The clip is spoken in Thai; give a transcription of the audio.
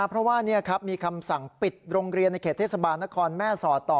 เพราะว่ามีคำสั่งปิดโรงเรียนในเขตเทศบาลนครแม่สอดต่อ